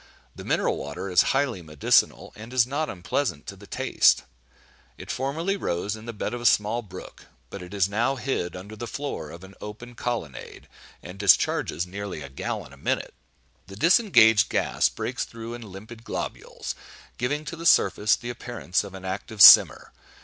The mineral water is highly medicinal, and is not unpleasant to the taste. It formerly rose in the bed of a small brook, but it is now hid under the floor of an open colonnade, and discharges nearly a gallon a minute. The disengaged gas breaks through in limpid globules, giving to the surface the appearance of an active simmer.